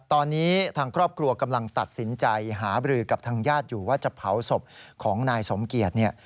ตอนนี้ทางครอบครัวกำลังตัดสินใจหาบรือกับทางญาติอยู่ว่าจะเผาศพของนายสมเกียจเนี่ย